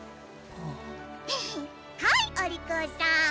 はいおりこうさん。